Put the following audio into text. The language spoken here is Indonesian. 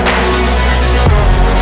aku mau ngeliatin apaan